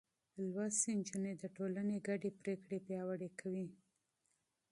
لوستې نجونې د ټولنې ګډې پرېکړې پياوړې کوي.